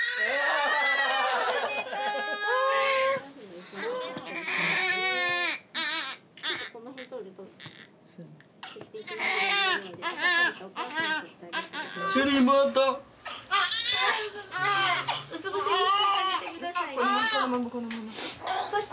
・おめでとう紫侑里妹・うつ伏せにしといてあげてくださいね